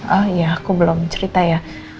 oh iya aku belum cerita ya